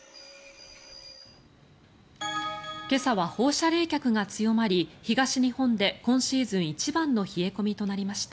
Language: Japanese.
今朝な放射冷却が強まり東日本で今シーズン一番の冷え込みとなりました。